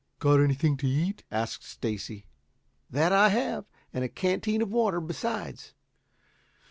"Got anything to eat?" asked Stacy. "That I have, and a canteen of water besides.